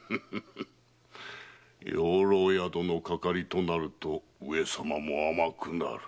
養老宿のかかりとなると上様も甘くなる。